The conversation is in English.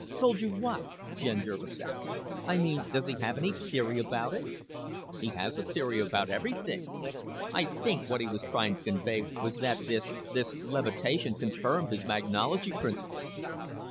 "Told you what?" Jen Jervis asked. "I mean, does he have any theory about it?" "He has a theory about everything. I think what he was trying to convey was that this this levitation confirmed his magnology principle."